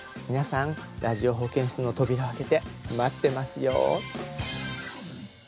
皆さん、「ラジオ保健室」の扉を開けて待ってますよ。